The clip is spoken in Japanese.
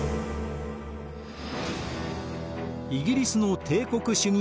イギリスの帝国主義